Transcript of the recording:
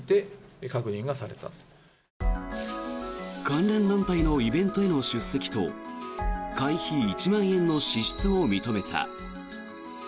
関連団体のイベントへの出席と会費１万円の支出を認めた。